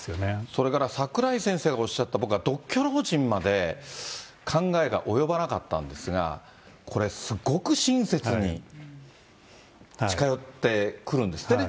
それから櫻井先生がおっしゃった、僕は独居老人まで考えが及ばなかったんですが、これ、すごく親切に近寄ってくるんですってね。